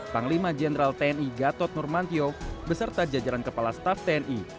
panglima jenderal tni gatot nurmantio beserta jajaran kepala staf tni